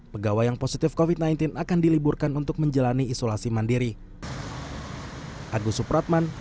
pegawai yang positif covid sembilan belas akan diliburkan untuk menjalani isolasi mandiri